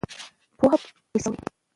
پوهه پیسې راوړي.